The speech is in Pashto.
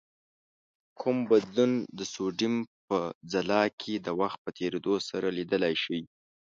کوم بدلون د سودیم په ځلا کې د وخت په تیرېدو سره لیدلای شئ؟